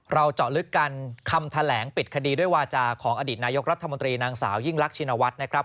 เจาะลึกกันคำแถลงปิดคดีด้วยวาจาของอดีตนายกรัฐมนตรีนางสาวยิ่งรักชินวัฒน์นะครับ